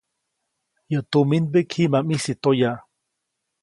Yäʼ tuminmbiʼk jiʼ ma ʼmisi toya.